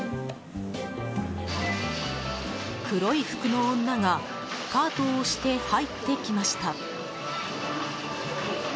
黒い服の女がカートを押して入ってきました。